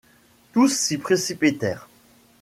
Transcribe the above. Tous s’y précipitèrent.